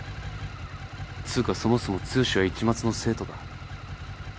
つうかそもそも剛は市松の生徒か？